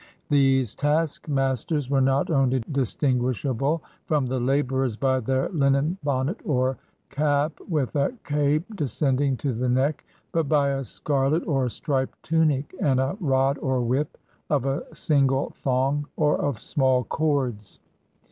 These taskmasters were not only distinguishable from the laborers by their Hnen bonnet or cap with a cape descending to the neck, but by a scarlet or striped tunic, and a rod or whip of a single thong or of small cords.